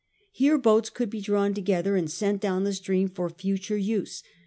Here boats could be drawn together and sent down the stream for future use.